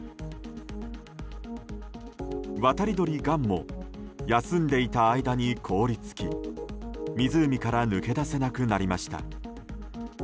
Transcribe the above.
渡り鳥、ガンも休んでいた間に凍り付き湖から抜け出せなくなりました。